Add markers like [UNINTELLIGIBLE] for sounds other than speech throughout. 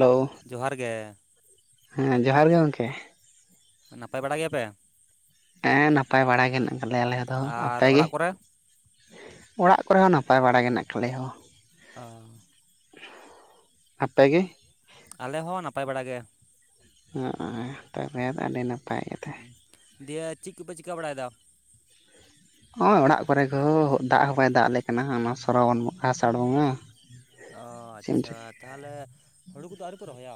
Hello. ᱡᱚᱦᱟᱨ ᱜᱮ ᱾ ᱦᱮᱸ ᱡᱚᱦᱟᱨ ᱜᱮ ᱜᱚᱝᱠᱮ ᱾ ᱟᱨ ᱱᱟᱯᱟᱭ ᱵᱟᱲᱟ ᱜᱮᱭᱟᱯᱮ? ᱦᱮᱸ ᱱᱟᱯᱟᱭ ᱵᱟᱲᱟ ᱜᱮ ᱦᱮᱱᱟᱜ ᱠᱟᱫ ᱞᱮᱭᱟ ᱟᱞᱮ ᱫᱚ ᱾ ᱟᱨ ᱟᱯᱮ ᱜᱮᱼᱼ ᱚᱲᱟᱜ ᱠᱚᱨᱮ ᱚᱲᱟᱜ ᱠᱚᱨᱮ ᱦᱚᱸ ᱱᱟᱯᱟᱭ ᱵᱟᱲᱟ ᱜᱮ ᱦᱮᱱᱟᱜ ᱟᱠᱟᱫ ᱞᱮᱭᱟ ᱦᱳ ᱾ ᱚ ᱟᱯᱮ ᱜᱮ ᱾ ᱟᱞᱮ ᱦᱚᱸ ᱱᱟᱯᱟᱭ ᱵᱟᱲᱟ ᱜᱮ᱾ ᱱᱚᱜᱚᱭ ᱛᱚᱵᱮᱫᱚ ᱟᱹᱰᱤ ᱱᱟᱯᱟᱭ ᱜᱮᱛᱚ ᱫᱤᱭᱮ ᱪᱮᱫ ᱠᱚᱯᱮ ᱪᱤᱠᱟᱹ ᱵᱟᱲᱟᱭᱮᱫᱟ? ᱦᱚᱸᱜᱼᱚᱭ ᱚᱲᱟᱜ ᱠᱚᱨᱮ ᱜᱮ ᱦᱳ ᱫᱟᱜ ᱦᱚᱸ ᱵᱟᱭ ᱫᱟᱜ ᱟᱞᱮ ᱠᱟᱱᱟ ᱚᱱᱟ ᱥᱚᱨᱵᱚᱱ ᱟᱥᱟᱲ ᱵᱚᱝᱜ-ᱟ᱾ ᱚ ᱟᱪᱪᱷᱟ ᱛᱟᱦᱚᱞᱮ ᱦᱩᱲᱩ ᱠᱚᱫᱚ ᱟᱹᱣᱨᱤᱯᱮ ᱨᱚᱦᱚᱭᱟ?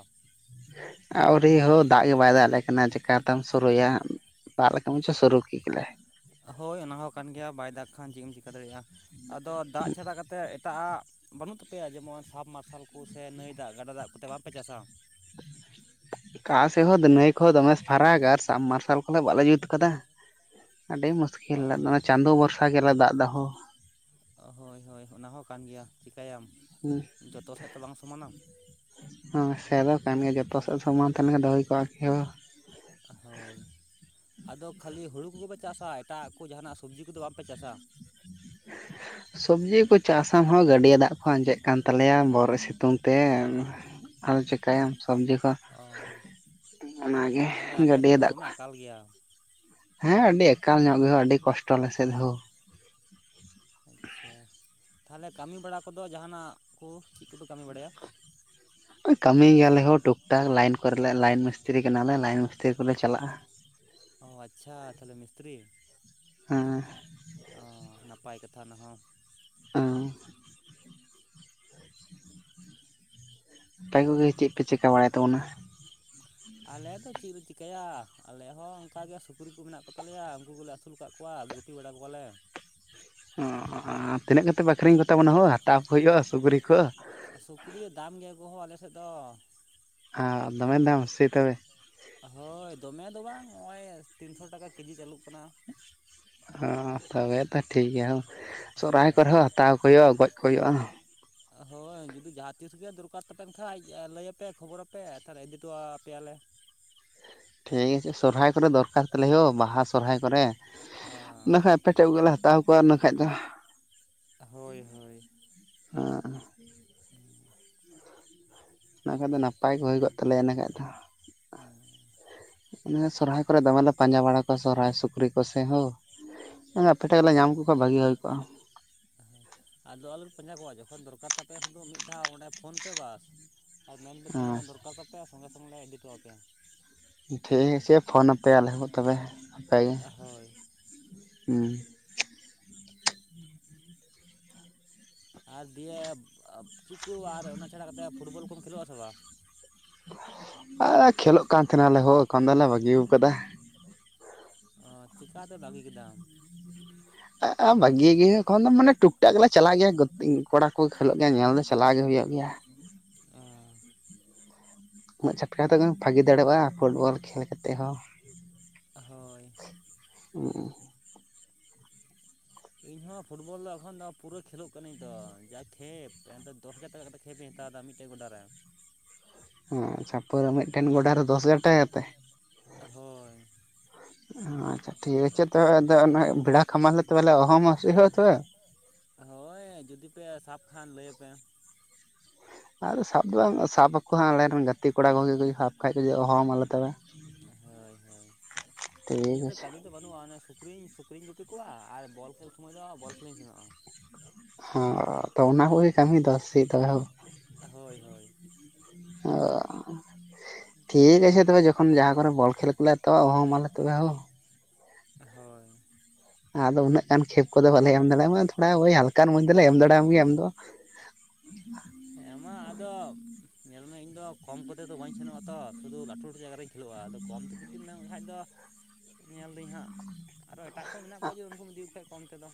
ᱟᱹᱣᱨᱤ ᱦᱳ ᱫᱟᱜ ᱜᱮ ᱵᱟᱭ ᱫᱟᱜ ᱟᱞᱮ ᱠᱟᱱᱟ ᱪᱮᱠᱟᱛᱮᱢ ᱥᱩᱨᱩᱭᱟ᱾ ᱫᱟᱜ ᱞᱮᱠᱷᱟ ᱢᱟᱪᱚ ᱥᱩᱨᱩ ᱠᱮᱜᱮᱞᱮ ᱦᱳᱭ ᱚᱱᱟ ᱦᱚᱸ ᱠᱟᱱ ᱜᱮᱭᱟ ᱵᱟᱭ ᱫᱟᱜᱽ ᱠᱷᱟᱱ ᱪᱮᱫ ᱮᱢ ᱪᱤᱠᱟᱹ ᱫᱟᱲᱮᱭᱟᱜᱼᱟ ᱟᱫᱚ ᱫᱟᱜ ᱪᱷᱟᱰᱟ ᱠᱟᱛᱮᱫ ᱮᱴᱟᱜ ᱟᱜ ᱵᱟᱹᱱᱩᱜ ᱛᱟᱯᱮᱭᱟ ᱡᱮᱢᱚᱱ ᱥᱟᱵᱽ ᱢᱟᱨᱥᱟᱞ ᱠᱚ ᱥᱮ ᱱᱟᱹᱭ ᱫᱟᱜ ᱜᱟᱰᱟ ᱫᱟᱜ ᱠᱚᱛᱮ ᱵᱟᱝᱯᱮ ᱪᱟᱥᱟ? ᱚᱠᱟ ᱥᱮ ᱦᱳ ᱱᱟᱹᱭ ᱠᱚ ᱫᱚᱢᱮ ᱯᱷᱟᱨᱟᱠ ᱟᱨ ᱥᱟᱵᱢᱟᱨᱥᱟᱞ ᱠᱚᱦᱚᱸ ᱵᱟᱞᱮ ᱡᱩᱛ ᱠᱟᱫᱟ᱾ ᱟᱹᱰᱤ ᱢᱩᱥᱠᱤᱞ, ᱪᱟᱸᱫᱳ ᱵᱷᱚᱨᱥᱟ ᱜᱮᱞᱮ ᱫᱟᱜ ᱫᱚᱦᱳ ᱼᱼ ᱦᱳᱭ ᱦᱳᱭ ᱚᱱᱟ ᱦᱚᱸ ᱠᱟᱱ ᱜᱮᱭᱟ, ᱪᱤᱠᱟᱹᱭᱟᱢ ᱦᱮᱸ ᱡᱚᱛᱚ ᱥᱮᱫ ᱛᱚ ᱵᱟᱝ ᱥᱚᱢᱟᱱᱟ ᱾ ᱦᱚᱸ ᱥᱮ ᱫᱚ ᱠᱟᱱ ᱜᱮᱭᱟ ᱡᱚᱛᱚ ᱥᱮᱫ ᱥᱚᱢᱟᱱ ᱛᱟᱦᱮᱱ ᱠᱷᱟᱱ ᱫᱚ ᱦᱩᱭ ᱠᱚᱜᱼᱟᱠ ᱦᱳᱭ ᱟᱫᱚ ᱠᱷᱟᱹᱞᱤ ᱦᱳᱲᱩ ᱠᱚᱜᱮᱯᱮ ᱪᱟᱥᱟ ᱮᱴᱟᱜ ᱠᱚ ᱡᱟᱦᱟᱱᱟᱜ ᱥᱚᱵᱡᱤ ᱠᱚᱫᱚ ᱵᱟᱝᱯᱮ ᱪᱟᱥᱟ? ᱥᱚᱵᱡᱤ ᱠᱚ ᱪᱟᱥ ᱟᱢ ᱦᱟᱸ ᱜᱟᱹᱰᱭᱟᱹ ᱫᱟᱜ ᱠᱚ ᱟᱸᱡᱮᱫ ᱠᱟᱱ ᱛᱟᱞᱮᱭᱟ ᱵᱚᱨᱚᱜ ᱥᱤᱛᱩᱝ ᱛᱮ᱾ ᱟᱫᱚ ᱪᱮᱤᱠᱟᱭᱟᱢ ᱥᱚᱵᱽᱡᱤ ᱠᱚ ᱚ ᱚᱱᱟᱜᱮ ᱛᱟᱦᱚᱞᱮ ᱟᱯᱮᱴᱷᱮᱫ ᱜᱟᱹᱰᱭᱟᱹ ᱫᱚ ᱫᱟᱜ ᱫᱚᱢᱮ ᱠᱚ ᱟᱠᱟᱞ ᱜᱮᱭᱟ᱾ ᱦᱮᱸ ᱟᱹᱰᱤ ᱟᱠᱟᱞ ᱧᱚᱜ ᱜᱮ ᱦᱳ ᱟᱰᱤ ᱠᱚᱥᱴᱚ ᱟᱞᱮᱥᱮᱫ ᱦᱳ ᱟᱪᱪᱷᱟ ᱛᱟᱦᱚᱞᱮ ᱠᱟᱹᱢᱤ ᱵᱟᱲᱟ ᱠᱚᱫᱚ ᱡᱟᱦᱟᱱᱟᱜ ᱠᱚ ᱪᱮᱫ ᱠᱚᱯᱮ ᱠᱟᱹᱢᱤ ᱵᱟᱲᱟᱭᱟ? ᱠᱟᱹᱢᱤ ᱜᱮᱭᱟᱞᱮ ᱦᱳ ᱴᱩᱠ ᱴᱟᱠ ᱞᱟᱭᱤᱱ ᱠᱚᱨᱮᱞᱮ ᱞᱟᱭᱤᱱ ᱢᱤᱥᱛᱨᱤ ᱠᱟᱱᱟᱞᱮ ᱞᱟᱭᱤᱱ ᱢᱤᱥᱛᱤᱨᱤ ᱠᱚᱞᱮ ᱪᱟᱞᱟᱜᱼᱟ᱾ ᱚ ᱟᱪᱪᱷᱟ ᱛᱟᱦᱚᱞᱮ ᱢᱤᱥᱛᱨᱤ ᱦᱮᱸ ᱚ ᱱᱟᱯᱟᱭ ᱠᱟᱛᱷᱟ ᱚᱱᱟᱦᱚᱸ ᱟᱸ ᱟᱯᱮ ᱠᱚᱜᱮ ᱪᱮᱫ ᱯᱮ ᱪᱮᱠᱟ ᱵᱟᱲᱟᱭ ᱛᱟᱵᱚᱱᱟ? ᱟᱞᱮ ᱫᱚ ᱪᱮᱫ ᱞᱮ ᱪᱤᱠᱟᱹᱭᱟ ᱟᱞᱮ ᱦᱚᱸ ᱚᱱᱠᱟ ᱜᱮ ᱥᱩᱠᱨᱤ ᱠᱚ ᱢᱮᱱᱟᱜ ᱠᱚᱛᱟᱞᱮᱭᱟ ᱩᱱᱠᱩ ᱠᱚᱞᱮ ᱟᱹᱥᱩᱞ ᱠᱟᱫ ᱠᱚ ᱠᱚᱭᱟ ᱜᱩᱯᱤ ᱵᱲᱟᱟ ᱠᱚᱭᱟᱞᱮ᱾ ᱚ ᱛᱤᱱᱟᱹᱜ ᱠᱟᱛᱮᱫ ᱟᱹᱠᱷᱨᱤᱧ ᱠᱚᱛᱟ ᱵᱚᱱᱟ ᱦᱳ ᱦᱟᱛᱟᱣ ᱠᱚ ᱦᱩᱭᱩᱜᱼᱟ ᱥᱩᱠᱨᱤ ᱠᱚᱼᱟ᱾ ᱥᱩᱠᱨᱤ ᱫᱟᱢ ᱜᱮᱭᱟ ᱠᱚ ᱦᱳ ᱟᱞᱮᱥᱮᱫ ᱫᱚ ᱟ ᱫᱚᱢᱮ ᱫᱟᱢ ᱥᱮ ᱛᱚᱵᱮ ᱦᱳᱭ ᱫᱚᱢᱮ ᱫᱚ ᱵᱟᱝ ᱱᱚᱜᱼᱚᱭ ᱛᱤᱱᱥᱚ ᱴᱟᱠᱟ ᱠᱮᱡᱤ ᱪᱟᱹᱞᱩᱜ ᱠᱟᱱᱟ᱾ ᱚ ᱛᱚᱵᱮ ᱛᱚ ᱴᱷᱤᱠᱜᱮᱭᱟ ᱦᱳ ᱥᱚᱨᱦᱟᱭ ᱦᱳᱭ ᱠᱚᱨᱮ ᱦᱚᱸ ᱦᱟᱛᱟᱣ ᱠᱚ ᱦᱩᱭᱩᱜᱼᱟ ᱜᱚᱡ ᱠᱚ ᱦᱩᱭᱩᱜᱼᱟ᱾ ᱦᱳᱭ ᱡᱩᱫᱤ ᱡᱟᱦᱟᱸ ᱛᱤᱥᱜᱮ ᱫᱚᱨᱠᱟᱨ ᱛᱟᱯᱮᱱ ᱠᱷᱟᱡ ᱞᱟᱹᱭᱟᱯᱮ ᱠᱷᱚᱵᱚᱨᱟᱯᱮ ᱛᱟᱦᱚᱞᱮ ᱤᱫᱤ ᱦᱚᱴᱚ ᱟᱯᱮᱭᱟᱞᱮ᱾ ᱴᱷᱤᱠ ᱟᱪᱷᱮ ᱥᱚᱨᱦᱟᱭ ᱠᱚᱨᱮ ᱫᱚᱨᱠᱟᱨ ᱛᱟᱞᱮ ᱦᱳ ᱵᱟᱦᱟ ᱥᱚᱨᱦᱟᱭ ᱠᱚᱨᱮ, ᱵᱟᱠᱷᱟᱭ ᱟᱯᱮᱴᱮᱡ ᱠᱚᱜᱮᱞᱮ ᱦᱟᱛᱟᱣ ᱠᱚᱣᱟ ᱤᱱᱟᱹ ᱠᱷᱟᱡ ᱫᱚ ᱦᱳᱭ ᱦᱳᱭ ᱟ ᱚᱱᱟ ᱠᱷᱟᱡ ᱫᱚ ᱱᱟᱯᱟᱭ ᱜᱮ ᱦᱩᱭ ᱠᱚᱜ ᱛᱟᱞᱮᱭᱟ ᱤᱱᱟᱹ ᱠᱷᱟᱡ ᱫᱚ᱾ ᱚ ᱥᱚᱨᱦᱟᱭ ᱠᱚᱨᱮ ᱫᱚᱢᱮᱞᱮ ᱯᱟᱸᱡᱟ ᱵᱟᱲᱟ ᱠᱚᱣᱟ ᱥᱚᱨᱦᱟᱭ ᱥᱩᱠᱨᱤ ᱠᱚᱥᱮ ᱦᱳ ᱟᱯᱮ ᱴᱷᱮᱡ ᱞᱮ ᱧᱟᱢ ᱠᱚ ᱠᱷᱟᱱ ᱵᱷᱟᱜᱤ ᱦᱩᱭ ᱠᱚᱜᱼᱟ᱾ ᱟᱫᱚ ᱟᱞᱮ ᱯᱟᱸᱡᱟ ᱠᱚᱣᱟ ᱡᱚᱠᱷᱚᱱ ᱫᱚᱨᱠᱟᱨ ᱛᱟᱯᱮᱭᱟ ᱥᱩᱫᱩ ᱢᱤᱫ ᱫᱷᱟᱣ ᱚᱸᱰᱮ ᱯᱷᱳᱱ ᱯᱮ ᱵᱟᱥ᱾ ᱟᱨ ᱢᱮᱱ ᱯᱮ ᱛᱤᱱᱟᱹᱜ ᱜᱟᱱ ᱦᱮᱸ ᱫᱚᱨᱠᱟᱨ ᱛᱟᱯᱮᱭᱟ ᱥᱚᱸᱜᱮ ᱥᱚᱸᱜᱮ ᱞᱮ ᱤᱫᱤᱴᱚ ᱟᱯᱮᱭᱟ᱾ ᱴᱷᱤᱠ ᱟᱪᱷᱮ ᱯᱷᱳᱱ ᱟᱯᱮᱭᱟ ᱟᱞᱮ ᱦᱳ ᱛᱚᱵᱮ ᱯᱟᱭᱜᱮ ᱦᱳᱭ ᱦᱩᱸ ᱟᱨ ᱫᱤᱭᱮ ᱪᱮᱫ ᱠᱚ ᱟᱨ ᱚᱱᱟ ᱪᱷᱟᱲᱟ ᱠᱟᱛᱮᱫ ᱯᱷᱩᱴᱵᱚᱞ ᱠᱚᱢ ᱠᱷᱮᱞᱳᱜ ᱟ ᱥᱮ ᱵᱟᱝ? ᱟ ᱠᱷᱮᱹᱞᱳᱜ ᱠᱟᱱ ᱛᱟᱦᱮᱱᱟᱞᱮᱦᱳ ᱮᱠᱷᱚᱱ ᱫᱚᱞᱮ ᱵᱟᱹᱜᱤᱭᱟᱠᱟᱫᱟ᱾ ᱚ ᱪᱮᱠᱟᱛᱮ ᱵᱟᱹᱜᱤ ᱠᱮᱫᱟᱢ? ᱵᱷᱟᱹᱜᱤ ᱜᱮᱭᱟ ᱮᱠᱷᱚᱱ ᱫᱚ ᱢᱟᱱᱮ ᱴᱩᱠᱴᱟᱜᱠ ᱜᱮᱞᱮ ᱪᱟᱞᱟᱜ ᱜᱮᱭᱟ ᱠᱚᱲᱟ ᱠᱚ ᱠᱷᱮᱞᱳᱜ ᱜᱮᱭᱟ ᱧᱮᱞ ᱫᱚ ᱪᱟᱞᱟᱣ ᱜᱮ ᱦᱩᱭᱩᱜ ᱜᱮᱭᱟ ᱮ [INAUDIBLE] [UNINTELLIGIBLE] ᱩᱱᱟᱹᱜ ᱪᱷᱟᱴᱠᱟ ᱛᱮ ᱵᱷᱟᱜᱤ ᱫᱟᱲᱮᱭᱟᱜᱼᱟ ᱯᱷᱩᱴᱵᱚᱞ ᱠᱷᱮᱞ ᱠᱟᱛᱮᱫ ᱦᱚᱸ ᱦᱳᱭ ᱦᱮ [INAUDIBLE] [UNINTELLIGIBLE] ᱤᱧ ᱦᱚᱸ ᱯᱷᱩᱴᱵᱚᱞ ᱫᱚ ᱮᱠᱷᱚᱱ ᱫᱚ ᱯᱩᱨᱟᱹ ᱠᱷᱮᱞᱳᱜ ᱠᱟᱹᱱᱟᱧ ᱛᱚ ᱡᱟ ᱠᱷᱮᱯ ᱮᱱ ᱫᱚᱥ ᱦᱟᱡᱟᱨ ᱴᱟᱠᱟ ᱠᱟᱛᱮᱫ ᱠᱷᱮᱯ ᱤᱧ ᱦᱟᱛᱟᱣ ᱮᱟ ᱢᱤᱫᱴᱮᱱ ᱟᱴ ᱜᱚᱰᱟ ᱨᱮ [INAUDIBLE] ᱟᱪᱷᱟ ᱯᱚᱨᱟᱹ ᱢᱤᱫᱴᱮᱱ ᱜᱚᱰᱟᱨ ᱨᱮ ᱫᱚᱥ ᱦᱟᱡᱟᱨ ᱴᱟᱠᱟ ᱠᱟᱛᱮ ᱦᱳᱭ ᱟᱪᱪᱷᱟ ᱴᱷᱤᱠ ᱟᱪᱷᱮ ᱛᱚᱵᱮ ᱟ ᱚᱱᱟ [UNINTELLIGIBLE] ᱵᱷ ᱵᱮᱲᱟ ᱠᱷᱟᱢᱟᱣᱚᱞᱮ ᱦᱚᱦᱚ ᱦᱟᱹᱥᱩᱭ ᱦᱩᱭᱩᱜᱼᱟ ᱛᱮ ᱦᱳᱭ ᱡᱩᱫᱤ ᱯᱮ ᱥᱟᱵ ᱠᱷᱟᱱ ᱞᱟᱹᱭᱟᱯᱮ ᱟᱨ ᱥᱟᱵ ᱫᱚ ᱵᱟᱝ ᱥᱟᱵ ᱟᱠᱚ ᱦᱟ ᱟᱞᱮᱱ ᱜᱟᱛᱮ ᱠᱚᱲᱟ ᱠᱚᱜᱮ ᱥᱟᱵ ᱠᱷᱟᱡ ᱠᱚ ᱦᱚᱦᱚ ᱢᱟᱞᱮ ᱛᱚᱵᱮ ᱦᱳᱭ ᱦᱳᱭ ᱴᱷᱤᱠ ᱤᱧᱟᱹᱜ ᱫᱚ ᱟᱪᱷᱮ ᱠᱟᱹᱵᱤᱱ ᱫᱚ ᱵᱟᱹᱱᱩᱜᱼᱟ ᱥᱩᱠᱨᱤᱧ ᱥᱩᱠᱨᱤᱧ ᱜᱩᱯᱤ ᱠᱚᱣᱟ ᱟᱨ ᱵᱚᱞ ᱠᱷᱮᱞ ᱥᱚᱢᱚᱭ ᱫᱚ ᱵᱚᱞ ᱠᱷᱮᱞ ᱤᱧ ᱥᱮᱱᱚᱜᱼᱟ ᱦ ᱛᱚ ᱚᱱᱟ ᱠᱚᱜᱮ ᱠᱟᱹᱢᱤ ᱫᱚ ᱥᱮ ᱛᱚᱵᱮ ᱦᱳ ᱦᱳᱭ ᱦᱳᱭ ᱟᱨ [INAUDIBLE] ᱴᱷᱤᱠ ᱟᱪᱷᱮ ᱛᱚᱵᱮ ᱡᱚᱠᱷᱚᱱ ᱡᱟᱦᱟᱸ ᱠᱚᱨᱮ ᱵᱚᱞ ᱠᱷᱮᱞ [UNINTELLIGIBLE] ᱛ ᱞᱮ ᱛᱚᱦ ᱢᱟᱞᱮ ᱛᱚᱵᱮ ᱦᱳ ᱦᱳᱭ ᱟᱫᱚ ᱩᱱᱟᱹᱜ ᱜᱟᱱ ᱠᱷᱮᱛ ᱠᱚᱫᱚ ᱵᱟᱞᱮ ᱮᱢ ᱫᱟᱲᱮᱭᱟᱢᱟ ᱛᱷᱚᱲᱟ ᱳᱭ ᱦᱟᱞᱠᱟ ᱢᱚᱡᱽ ᱫᱚᱞᱮ ᱮᱢ ᱫᱟᱲᱮᱭᱟᱢ ᱜᱮᱭᱟ ᱟᱢ ᱫᱚ [INAUDIBLE] ᱦᱮᱸ ᱢᱟ ᱟᱫᱚ ᱧᱮᱞᱢᱮ ᱤᱧ ᱫᱚ ᱠᱚᱢ ᱠᱚᱛᱮ ᱫᱚ ᱵᱟᱹᱧ ᱥᱮᱱᱚᱜᱼᱟ ᱛᱚ ᱥᱩᱫᱩ ᱞᱟᱹᱴᱩ ᱞᱟᱹᱴᱩ ᱡᱟᱭᱜᱟ ᱨᱮᱧ ᱠᱷᱮᱞᱳᱜᱼᱟ ᱟᱫᱚ ᱠᱚᱢ ᱛᱚ ᱡᱩᱫᱤᱢ ᱢᱮᱱ ᱠᱷᱟᱱ ᱫᱚ ᱧᱮᱞᱫᱟᱹᱧ ᱦᱟᱸᱜ ᱟᱨᱚ ᱮᱴᱟᱜ ᱠᱚ ᱢᱮᱱᱟᱜ ᱠᱚᱣᱟ ᱡᱮ ᱩᱱᱠᱩᱢ ᱤᱫᱤᱠᱚ ᱠᱷᱟᱡ ᱠᱚᱢ ᱛᱮᱫᱚ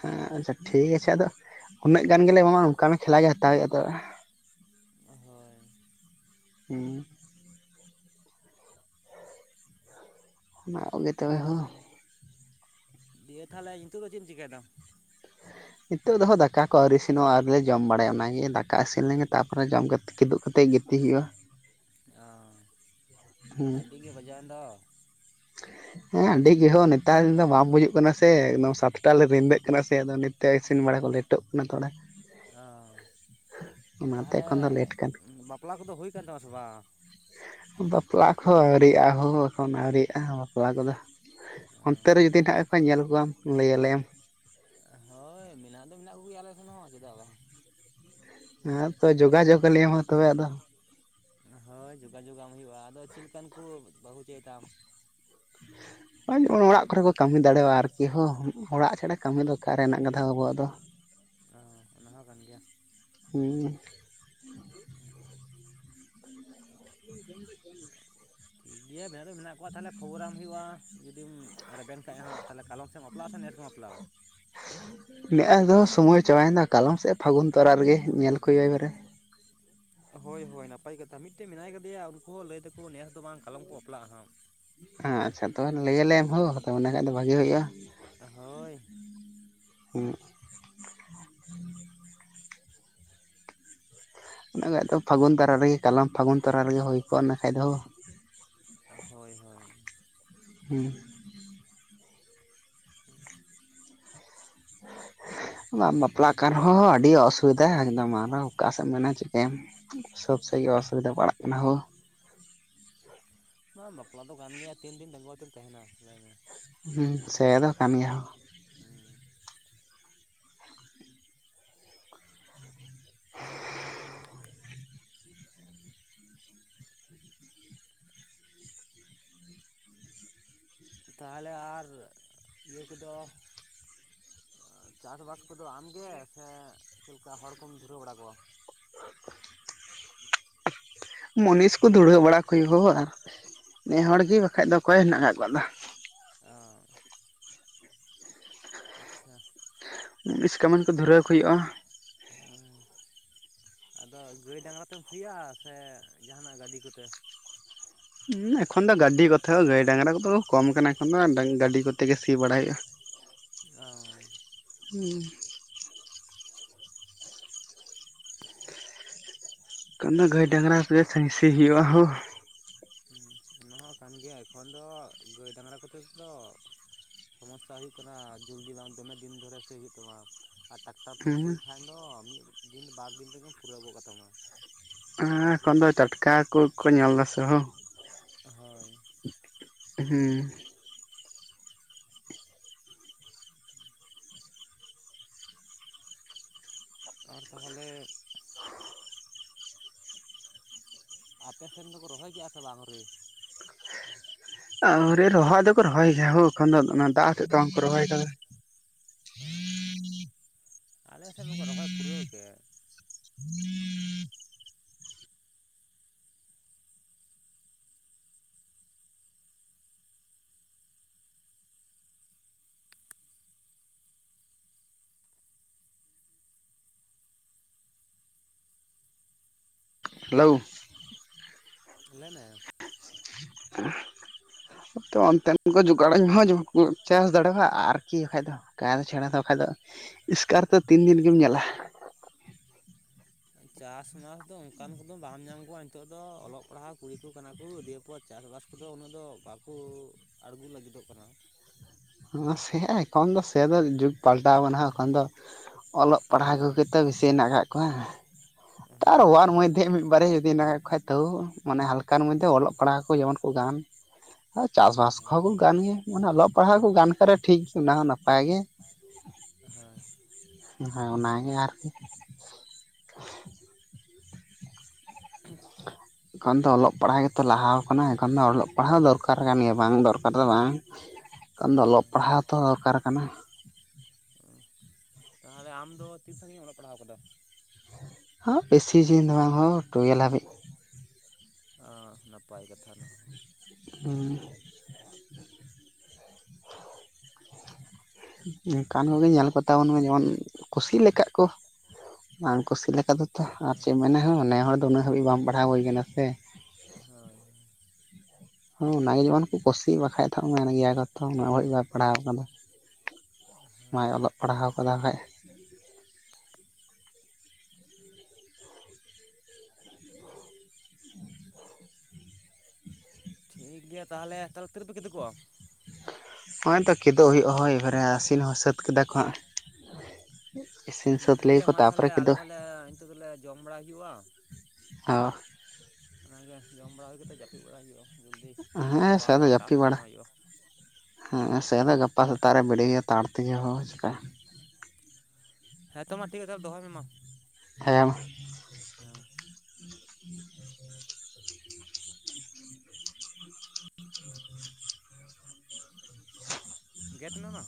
ᱦᱮᱸ ᱟᱪᱪᱷᱟ ᱴᱷᱤᱠ ᱟᱪᱷᱮ ᱟᱫᱚ ᱩᱱᱟᱹᱜ ᱜᱟᱱ ᱜᱮᱞᱮ ᱮᱢᱟᱢᱟ ᱚᱱᱠᱟ ᱢᱮ ᱠᱷᱮᱞᱟ ᱜᱮ ᱦᱟᱛᱟᱣ ᱦᱩᱭᱩᱜᱼᱟ ᱛᱚᱵᱮ ᱦᱳᱭ ᱦᱮᱸ ᱚᱱᱟ ᱠᱚᱜᱮ ᱛᱚᱵᱮ ᱦᱳ ᱤᱭᱟ ᱛᱟᱦᱚᱞᱮ ᱱᱤᱛᱚᱜ ᱫᱚ ᱪᱮᱫ ᱮᱢ ᱪᱮᱠᱟᱹᱭ ᱫᱟᱢ? ᱱᱤᱛᱚᱜ ᱫᱚᱦ ᱫᱟᱠᱟ ᱠᱚ ᱟᱹᱣᱨᱤ ᱤᱥᱤᱱᱚᱜᱼᱟ ᱟᱨᱞᱮ ᱡᱚᱢ ᱵᱟᱲᱟᱭᱟ ᱚᱱᱟᱜᱮ ᱫᱟᱠᱟ ᱤᱥᱤᱱ ᱞᱮᱱᱜᱮ ᱛᱟᱯᱚᱨᱮ ᱡᱚᱢ ᱠᱟᱛ ᱠᱤᱫᱩᱜ ᱠᱟᱛᱮᱫ ᱜᱤᱛᱤᱜ ᱦᱩᱭᱩᱜᱼᱟ ᱚ ᱦᱮᱸ ᱟᱹᱰᱤᱜᱮ ᱵᱟᱡᱟᱣᱮᱱ ᱫᱚ ᱦᱮᱸ ᱟᱹᱰᱤ ᱜᱮᱦᱚᱸ ᱱᱮᱛᱟᱨ ᱫᱚ ᱵᱟᱝ ᱵᱩᱡᱩᱜ ᱠᱟᱱᱟ ᱥᱮ ᱮᱠᱫᱚᱢ ᱥᱟᱛᱴᱟ ᱞᱮ ᱨᱤᱫᱟᱹᱜ ᱠᱟᱱᱟ ᱥᱮ ᱟᱫᱚ ᱱᱤᱛᱚᱜ ᱤᱥᱤᱱ ᱵᱟᱲᱟ ᱠᱚᱞᱮ ᱯᱷᱴᱚᱜ ᱠᱟᱱᱟ ᱛᱷᱚᱲᱟ ᱚ ᱚᱱᱟᱛᱮ ᱛᱟᱦᱚᱞᱮ ᱮᱠᱷᱚᱱ ᱫᱚ ᱞᱮᱴ ᱠᱟᱱᱟ ᱵᱟᱯᱞᱟ ᱠᱚᱫᱚ ᱦᱩᱭ ᱟᱠᱟᱱ ᱛᱟᱢᱟ ᱥᱮ ᱵᱟᱝ? ᱵᱟᱯᱞᱟ ᱠᱚᱦᱚᱸ ᱟᱹᱣᱨᱨᱤᱜᱼᱟ ᱦᱩ ᱮᱠᱷᱚᱱ ᱟᱹᱣᱨᱤᱜᱼᱟ ᱵᱟᱯᱞᱟ ᱠᱚᱫᱚ ᱚᱱᱛᱮ ᱚ ᱨᱮ ᱡᱩᱫᱤ ᱦᱮᱱᱟᱜ ᱠᱚᱣᱟ ᱧᱮᱞ ᱠᱚᱣᱟᱢ ᱞᱟᱹᱭᱟᱞᱮᱭᱢ ᱦᱳᱭ ᱢᱮᱱᱟᱜ ᱫᱚ ᱢᱮᱱᱟᱜ ᱠᱚᱜᱮᱭᱟ ᱟᱞᱮ ᱥᱮᱱ ᱦᱚᱸ ᱪᱮᱫᱟᱜ ᱵᱟᱝ ᱦᱮᱸ ᱛᱚ ᱡᱳᱜᱟᱡᱳᱜᱽ ᱟᱞᱤᱧ ᱢᱟ ᱛᱚᱵᱮ ᱟᱫᱚ ᱦᱳᱭ ᱡᱳᱜᱟᱡᱳᱜᱟᱢ ᱦᱩᱭᱩᱜᱼᱟ ᱟᱫᱚ ᱪᱮᱫ ᱞᱮᱠᱟᱱ ᱠᱚ ᱵᱟᱹᱦᱩ ᱪᱟᱹᱭᱮᱫᱟᱢ? ᱚᱲᱟᱜ ᱠᱚᱨᱮ ᱠᱚ ᱠᱟᱹᱢᱤ ᱫᱟᱲᱮᱭᱟᱜᱼᱟ ᱟᱨᱠᱤ ᱦᱚᱸ ᱚᱲᱟᱜ ᱪᱷᱟᱲᱟ ᱠᱟᱹᱢᱤ ᱫᱚ ᱚᱠᱟᱨᱮᱱᱟᱜ ᱠᱟᱫᱟᱷᱟ ᱟᱵᱚᱣᱟᱜ ᱫᱚ ᱚ ᱚᱱᱟ ᱦᱚ ᱠᱟᱱ ᱜᱮᱭᱟ ᱦᱩ ᱦᱮᱸ [INAUDIBLE] ᱴᱷᱤᱠ ᱜᱮᱭᱟ ᱢᱮᱱᱟᱜ ᱫᱚ ᱢᱮᱱᱟᱜ ᱠᱚᱣᱟ ᱛᱟᱦᱚᱞᱮ ᱠᱷᱚᱵᱚᱨᱟᱢ ᱦᱩᱭᱩᱜᱼᱟ ᱡᱩᱫᱤᱢ ᱨᱮᱵᱮᱱ ᱪ ᱦᱜ ᱛᱟᱦᱚᱞᱮ ᱠᱟᱞᱚᱢ ᱵᱟᱯᱞᱟ ᱥᱮ ᱱᱮᱥᱮᱢ ᱵᱟᱯᱞᱟᱼᱟ? ᱢᱮᱫᱼᱦᱚ ᱨᱮᱦ ᱥᱚᱢᱚᱭ ᱪᱟᱵᱟᱭᱮᱱᱟ ᱠᱟᱞᱚᱢ ᱥᱮᱫ ᱯᱷᱟᱹᱜᱩᱱ ᱛᱚᱨᱟ ᱨᱮᱜᱮ ᱧᱮᱞ ᱠᱚ-ᱟᱭ ᱵᱟᱨᱮ ᱦᱳᱭ ᱦᱳᱭ ᱱᱟᱯᱟᱭ ᱠᱟᱛᱷᱟ ᱢᱤᱫᱴᱮᱱ ᱢᱮᱱᱟᱭ ᱠᱟᱫᱮᱭᱟ ᱩᱱᱠᱩ ᱦᱚᱸ ᱞᱟᱹᱭ ᱛᱟᱠᱚ ᱱᱮᱥ ᱫᱚ ᱵᱟᱝ ᱠᱟᱞᱚᱢ ᱠᱚ ᱵᱟᱯᱞᱟᱜᱼᱟ ᱦᱟᱸᱜ ᱟᱪᱪᱷᱟ ᱛᱚᱵᱮ ᱞᱟᱹᱭᱟᱞᱮ ᱮᱢᱦ [UNINTELLIGIBLE] ᱠᱷᱟᱡ ᱫᱚ ᱵᱷᱟᱜᱤ ᱦᱩᱭᱩᱜᱼᱟ ᱦᱳᱭ ᱦᱮᱸ ᱤᱱᱟ ᱠᱷᱟᱱᱡ ᱫᱚ ᱯᱷᱟᱹᱜᱩᱱ ᱛᱟᱨᱟ ᱨᱮᱜᱮ ᱠᱟᱞᱟᱢ ᱯᱷᱟᱹᱜᱩᱱ ᱛᱟᱨᱟ ᱨᱮᱜᱮ ᱦᱩᱭ ᱠᱚᱜᱼᱟ ᱤᱱᱟᱹ ᱠᱷᱟᱡ ᱫᱚ ᱦᱳᱭ ᱦᱳᱭ ᱦᱩᱸ ᱟ ᱵᱟᱯᱞᱟᱜ ᱠᱟᱱ ᱨᱮᱦᱚᱸ ᱟᱹᱰᱤ ᱚᱥᱩᱵᱤᱫᱷᱟ ᱮᱠᱫᱚᱢ ᱟᱨᱚᱸ ᱚᱠᱟ ᱥᱮᱫ ᱮᱢ ᱢᱮᱱᱟ ᱪᱤᱠᱟᱹᱭᱟᱢ ᱥᱚᱵ ᱥᱮᱫ ᱚᱥᱩᱵᱤᱫᱷᱟ ᱯᱟᱲᱟᱜ ᱠᱟᱱᱟ ᱦᱳ ᱵᱟᱝ ᱵᱟᱯᱞᱟ ᱫᱚ ᱠᱟᱱ ᱜᱮᱭᱟ ᱛᱤᱱ ᱫᱤᱱ ᱰᱟᱸᱟᱹᱜᱩᱣᱟᱹ ᱛᱮᱢ ᱛᱟᱦᱮᱱᱟ ᱞᱟᱹᱭ ᱢᱮ ᱥᱮᱫᱚ ᱠᱟᱱ ᱜᱮᱭᱟ ᱦᱚᱸ ᱦᱩᱸ ᱛᱟᱦᱚᱞᱮ ᱟᱨ ᱤᱭᱟᱹ ᱠᱚᱫᱚ ᱪᱟᱥ ᱵᱟᱥ ᱠᱚᱫᱚ ᱟᱢ ᱜᱮ ᱥᱮ ᱪᱮᱫ ᱞᱮᱠᱟ ᱦᱚᱲᱠᱚᱢ ᱫᱷᱩᱨᱟᱹᱣ ᱵᱟᱲᱟ ᱠᱚᱣᱟ ᱢᱩᱱᱤᱥ ᱠᱚ ᱫᱷᱩᱲᱟᱹᱣ ᱵᱟᱲᱟ ᱠᱚ ᱦᱟᱭᱳ-ᱟ ᱱᱮ ᱦᱚᱲ ᱜᱮ ᱵᱟᱠᱷᱟᱡ ᱫᱚ ᱚᱠᱚᱭ ᱦᱮᱱᱟᱜ ᱟᱠᱟᱫ ᱠᱚᱣᱟ ᱟᱫᱚ ᱚ ᱟᱪᱪᱷᱟ ᱢᱩᱱᱤᱥ ᱠᱟᱢᱤᱱ ᱠᱚ ᱫᱷᱩᱨᱟᱹᱣ ᱠᱚ ᱦᱩᱭᱩᱜ-ᱟ ᱚ ᱟᱫᱚ ᱜᱟᱹᱭ ᱰᱟᱝᱨᱟ ᱛᱮᱢ ᱥᱤᱭᱟ ᱥᱮ ᱡᱟᱦᱟᱱᱟᱜ ᱜᱟᱹᱰᱤ ᱠᱚᱛᱮ ᱮᱠᱷᱚᱱ ᱫᱚ ᱜᱟᱹᱰᱤ ᱠᱚᱛᱮ ᱦᱚᱸ ᱜᱟᱹᱭ ᱰᱟᱝᱨᱟ ᱠᱚᱫᱚ ᱠᱚᱢ ᱠᱟᱱᱟ ᱮᱠᱷᱚᱱ ᱫᱚ ᱜᱟᱹᱰᱤ ᱠᱚᱛᱮ ᱜᱮ ᱥᱤ ᱵᱟᱲᱟᱭ ᱦᱩᱭᱩᱜ-ᱟ [UNINTELLIGIBLE] ᱚ ᱦᱩᱸ ᱵᱟᱝᱠᱷᱟᱱ ᱫᱚ ᱜᱟᱹᱭ ᱰᱟᱝᱨᱟ ᱠᱚᱛᱮ ᱜᱮ ᱥᱤ ᱦᱳᱭᱳᱜ-ᱟ ᱦᱮᱸ ᱚᱱᱟ ᱦᱚᱸ ᱠᱟᱱ ᱜᱮᱭᱟ ᱮᱠᱷᱚᱱ ᱫᱚ ᱜᱟᱹᱭ ᱰᱟᱝᱨᱟ ᱠᱚᱛᱮ ᱫᱚ ᱥᱚᱢᱚᱥᱟ ᱦᱩᱭᱩᱜ ᱠᱟᱱᱟ ᱡᱚᱞᱫᱤ ᱵᱟᱝ ᱫᱚᱢᱮ ᱫᱤᱱ ᱫᱷᱚᱨᱤᱭᱟ ᱥᱤ ᱦᱩᱭᱩᱜ ᱛᱟᱢᱟ ᱟᱨ ᱴᱟᱠᱴᱟᱨ ᱛᱮᱢ ᱥᱤ ᱦᱩᱸ ᱠᱷᱟᱱ ᱫᱚ ᱢᱤᱫ ᱫᱤᱱ ᱵᱟᱨ ᱫᱤᱱ ᱛᱮᱜᱮᱢ ᱯᱩᱨᱟᱹᱣ ᱜᱚᱜ ᱠᱟᱛᱟᱢᱟ ᱮ ᱮᱠᱷᱚᱱ ᱫᱚ ᱴᱟᱴᱠᱟ ᱠᱚᱠᱚ ᱧᱮᱞ ᱮᱫᱟ ᱥᱮ ᱦᱳ ᱦᱳᱭ ᱦᱩᱸ ᱟᱨ ᱛᱟᱦᱚᱞᱮ ᱟᱯᱮ ᱥᱮᱱ ᱫᱚᱠᱚ ᱨᱚᱦᱚᱭ ᱠᱮᱫ-ᱟ ᱥᱮ ᱵᱟᱝ ᱟᱣᱨᱤ ᱟᱣᱨᱤ ᱨᱚᱦᱚᱭ ᱫᱚᱠᱚ ᱨᱚᱦᱚᱭ ᱜᱮᱭᱟ ᱦᱳ ᱮᱠᱷᱚᱱ ᱫᱚ ᱫᱟᱜ ᱦᱚᱛᱮᱫ ᱫᱚ ᱵᱟᱝᱠᱚ ᱨᱚᱦᱚᱭ ᱟᱠᱟᱫᱟ ᱚ ᱟᱞᱮ ᱥᱮᱫ ᱢᱟᱠᱚ ᱨᱚᱦᱚᱭ ᱯᱩᱨᱟᱹᱣ ᱠᱮᱫ [UNINTELLIGIBLE] ᱦᱮᱞᱳ ᱞᱟᱹᱭ ᱢᱮ [UNINTELLIGIBLE] ᱛᱚ ᱚᱱᱛᱮᱱ ᱠᱚ ᱡᱚᱜᱟᱲ ᱳᱧ ᱦᱚᱸᱠᱚ ᱪᱟᱥ ᱫᱟᱲᱮᱭᱟᱜ-ᱟ ᱟᱨᱠᱤ ᱵᱟᱠᱷᱟᱡ ᱫᱚ ᱛᱟ ᱪᱷᱟᱲᱟ ᱫᱚ ᱵᱟᱠᱷᱟᱡ ᱫᱚ ᱮᱥᱠᱟᱨ ᱛᱚ ᱛᱤᱱ ᱫᱤᱱ ᱜᱮᱢ ᱧᱮᱞᱟ ᱪᱟᱥ ᱵᱟᱥ ᱫᱚ ᱚᱱᱠᱟᱱ ᱠᱚᱫᱚ ᱵᱟᱢ ᱧᱟᱢ ᱠᱚᱣᱟ ᱱᱤᱛᱚᱜ ᱫᱚ ᱚᱞᱚᱜ ᱯᱟᱲᱦᱟᱜ ᱠᱩᱲᱤ ᱠᱚ ᱠᱟᱱᱟ ᱠᱚ ᱫᱤᱭᱮ ᱟᱠᱚᱣᱟᱜ ᱪᱟᱥ ᱵᱟᱥ ᱠᱚᱫᱚ ᱩᱱᱟᱹᱜ ᱫᱚ ᱵᱟᱠᱚ ᱟᱲᱜᱚ ᱞᱟᱹᱜᱤᱫᱚᱜ ᱠᱟᱱᱟ ᱥᱮ ᱮᱠᱷᱚᱱ ᱫᱚ ᱥᱮ ᱫᱚ ᱡᱩᱜᱽ ᱯᱟᱞᱴᱟᱣ ᱟᱠᱟᱱᱟ ᱮᱠᱷᱚᱱ ᱫᱚ ᱚᱞᱚᱜ ᱯᱟᱲᱦᱟᱣ ᱦᱳᱭ ᱠᱚᱜᱮ ᱛᱚ ᱵᱮᱥᱤ ᱦᱮᱱᱟᱜ ᱟᱠᱟᱜ ᱠᱚᱣᱟ ᱛᱟᱨ ᱦᱳᱭ ᱚᱣᱟᱨ ᱢᱚᱫᱷᱮ ᱢᱤᱫ ᱵᱟᱨᱮᱭᱟ ᱡᱫᱤ ᱦᱮᱱᱟᱜ ᱟᱠᱟᱡ ᱠᱚᱠᱷᱟᱱ ᱛᱚ ᱢᱟᱱᱮ ᱦᱟᱞᱠᱟ ᱮᱠᱟᱱ ᱢᱚᱫᱷᱮ ᱚᱞᱚᱜ ᱯᱟᱲᱦᱟᱜ ᱠᱚ ᱡᱮᱢᱚᱱ ᱠᱚ ᱜᱟᱱ ᱟᱨ ᱪᱟᱥᱵᱟᱥ ᱦᱳᱭ ᱠᱚᱦᱚᱸ ᱠᱚ ᱜᱟᱱ ᱜᱮᱭᱟ ᱢᱟᱱᱮ ᱚᱞᱚᱜ ᱯᱟᱲᱦᱟᱜ ᱠᱚ ᱜᱟᱱ ᱠᱷᱟᱱ ᱴᱷᱤᱠ ᱜᱮ ᱚᱱᱟ ᱦᱚᱸ ᱱᱟᱯᱟᱭ ᱜᱮ ᱦᱳᱭ ᱦᱳᱭ ᱚᱱᱟᱜᱮ ᱟᱨᱠᱤ ᱦᱩᱸ ᱮᱠᱷᱚᱱ ᱫᱚ ᱚᱞᱚᱜ ᱯᱟᱲᱦᱟᱜ ᱜᱮᱛᱚ ᱞᱟᱦᱟᱣ ᱟᱠᱟᱱᱟ ᱮᱠᱷᱚᱱ ᱫᱚ ᱚᱞᱚᱜ ᱯᱟᱲᱦᱟᱣ ᱫᱚᱨᱠᱟᱨ ᱠᱟᱱ ᱜᱮᱭᱟ ᱵᱟᱝ ᱫᱚᱨᱠᱟᱨ ᱫᱚ ᱵᱟᱝ [UNINTELLIGIBLE] ᱮᱠᱷᱚᱱ ᱫᱚ ᱚᱞᱚᱜ ᱯᱟᱲᱦᱟᱣ ᱦᱚᱛᱚ ᱫᱚᱨᱠᱟᱨ ᱠᱟᱱᱟ ᱚ ᱛᱟᱸᱦᱚᱞᱮ ᱟᱢ ᱫᱚ ᱛᱤᱱ ᱥᱟᱹᱜᱤᱧ ᱮᱢ ᱚᱞᱚᱜ ᱯᱟᱲᱦᱟᱣ ᱟᱠᱟᱫᱟ᱾ ᱦᱚᱸ ᱵᱮᱥᱤ ᱥᱟᱹᱜᱤᱧ ᱫᱚ ᱵᱟᱝ ᱦᱚᱸ ᱴᱩᱭᱮᱞᱵᱽ ᱦᱟᱹᱵᱤᱡᱽ᱾ ᱚᱻ ᱱᱟᱯᱟᱭ ᱠᱟᱛᱷᱟ ᱚᱱᱟ ᱦᱚᱸ, [UNINTELLIGIBLE] ᱚᱱᱠᱟᱱ ᱠᱚᱜᱮ ᱧᱮᱞ ᱠᱚ ᱛᱟᱵᱚᱱ ᱢᱮ ᱡᱮᱢᱚᱱ ᱠᱩᱥᱤᱠ ᱞᱮᱠᱟᱜ ᱠᱚ ᱵᱟᱝ ᱠᱩᱥᱤ ᱞᱮᱠᱟ ᱫᱚ, ᱟᱨ ᱪᱮᱫ ᱮᱢ ᱢᱮᱱᱟ ᱦᱚᱸ ᱱᱮ ᱦᱚᱲ ᱫᱚ ᱩᱱᱟᱹᱜ ᱦᱟᱹᱵᱤᱡ ᱵᱟᱢ ᱯᱟᱲᱦᱟᱣ ᱦᱩᱭ ᱟᱠᱟᱱᱟ ᱥᱮ, ᱦᱳᱭ ᱦᱳᱭ, ᱦᱚ ᱚᱱᱟᱜᱮ ᱡᱮᱢᱚᱱ ᱠᱚ ᱠᱩᱥᱤᱜ ᱵᱟᱠᱷᱟᱡ ᱫᱚ ᱢᱮᱱ ᱜᱮᱭᱟ ᱠᱚ ᱛᱚ ᱩᱱᱟᱹᱜ ᱦᱟᱹᱵᱤᱡ ᱵᱟᱭ ᱯᱟᱲᱦᱟᱣ ᱟᱠᱟᱫᱟ ᱾ ᱢᱟᱭ ᱦᱳᱭ ᱚᱞᱚᱜ ᱯᱟᱲᱦᱟᱣ ᱠᱟᱫᱟ ᱦᱟᱡ, ᱴᱷᱤᱠ ᱜᱮᱭᱟ ᱛᱟᱸᱦᱚᱞᱮ, ᱛᱟᱦᱚᱞᱮ ᱛᱤᱨ ᱨᱮᱯᱮ ᱠᱤᱫᱤ ᱠᱚᱜᱼᱟ᱾ ᱦᱚᱜ-ᱚᱭ ᱛᱚ ᱠᱮᱫᱚᱜ ᱦᱩᱭᱩᱜ-ᱟ ᱦᱳᱭ ᱮᱵᱟᱨᱮ ᱟᱹᱥᱤᱱ ᱦᱚᱸ ᱥᱟᱹᱛ ᱠᱮᱫᱟ ᱠᱚ ᱦᱟᱜ ᱤᱥᱤᱱ ᱥᱟᱹᱛ ᱴᱷᱤᱠ ᱜᱮᱭᱟ ᱞᱮᱭᱟᱠᱚ ᱢᱟ ᱛᱟᱦᱚᱞᱮ ᱛᱟᱯᱚᱨᱮ ᱟᱞᱮ ᱠᱤᱫᱩ ᱦᱚᱸᱞᱮ ᱱᱤᱛᱚᱜ ᱫᱚᱞᱮ ᱡᱚᱢ ᱵᱟᱲᱟ ᱦᱩᱭᱩᱜᱼᱟ ᱚ ᱚᱱᱟᱜᱮ ᱡᱚᱢ ᱵᱟᱲᱟ ᱦᱩᱭ ᱠᱟᱛᱮ ᱡᱟᱹᱯᱤᱫ ᱵᱟᱲᱟ ᱦᱩᱭᱩᱜᱼᱟ ᱡᱚᱞᱫᱤ ᱦᱮᱸ ᱥᱮ ᱜᱟᱯᱟ ᱟᱨᱦᱚ ᱟᱫᱚ ᱮᱴᱟᱜ ᱡᱟᱹᱯᱤᱫ ᱥᱮᱫ ᱵᱟᱲᱟ ᱥᱮᱱᱚᱜ ᱦᱩᱭᱩᱜᱼᱟ᱾ ᱦᱮᱸ ᱥᱮ ᱛᱚ ᱜᱟᱯᱟ ᱥᱮᱛᱟᱜ ᱨᱮ ᱵᱮᱨᱮᱫ ᱦᱩᱭᱩᱜ ᱼᱟ᱾ ᱛᱟᱲ ᱛᱮᱜᱮ ᱦᱚᱸᱦᱚᱸ ᱦᱚᱪᱚ, ᱦᱮᱸᱛᱚ ᱢᱟ ᱴᱷᱤᱠ ᱜᱮᱭᱟ ᱛᱟᱸᱦᱞᱮ ᱫᱚᱦᱚᱭ ᱢᱮ ᱢᱟ᱾ ᱦᱮᱸ ᱦᱮᱸ ᱜᱮᱫ ᱢᱮ ᱢᱟ᱾